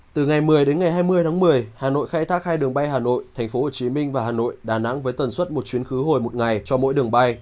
từ ngày một mươi đến ngày hai mươi tháng một mươi hà nội khai thác hai đường bay hà nội tp hcm và hà nội đà nẵng với tần suất một chuyến khứ hồi một ngày cho mỗi đường bay